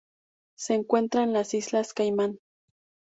Se encuentra en las Islas Caimán.